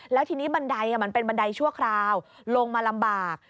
แล้วทีนี้บันไดมันเป็นบันไดชั่วคราวลงมาลำบาก